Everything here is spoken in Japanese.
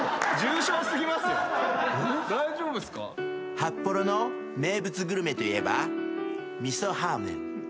歯っぽろの名物グルメといえば味噌歯ーメン。